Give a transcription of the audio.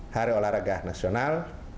hari olahraga nasional